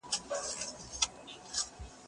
که وخت وي، ليکلي پاڼي ترتيب کوم!؟